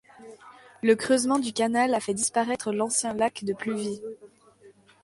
Le creusement du canal a fait disparaître l'ancien lac de Pluvis.